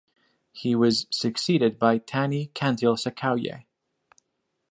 He was succeeded by Tani Cantil-Sakauye.